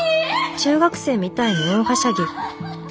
中学生みたいに大はしゃぎ。